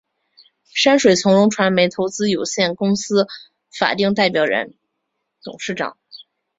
山水从容传媒投资有限公司法定代表人、董事长